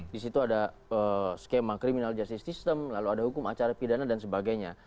di situ ada skema criminal justice system lalu ada hukum acara pidana dan sebagainya